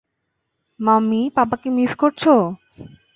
Mummy পাপাকে miss করছো?